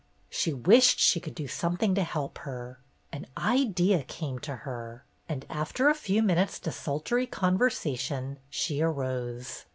She wished she could do something to help her. An idea came to her, and, after a few minutes' desultory conversa tion, she arose.